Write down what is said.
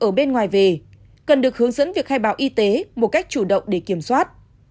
ở bên ngoài về cần được hướng dẫn việc khai báo y tế một cách chủ động để kiểm soát